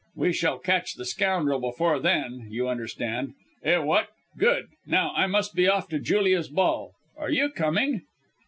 We shall catch the scoundrel before then you understand. Eh, what? Good! Now I must be off to Julia's ball. Are you coming?